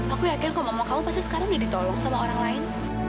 aku yakin kalau ngomong kamu pasti sekarang udah ditolong sama orang lain